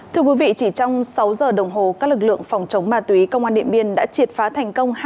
thưa quý vị chỉ trong sáu giờ đồng hồ các lực lượng phòng chống ma túy công an điện biên đã triệt phá thành công